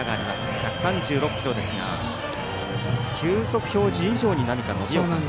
１３４キロですが球速表示以上に何か伸びを。